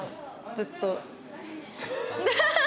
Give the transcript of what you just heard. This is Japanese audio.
ずっと？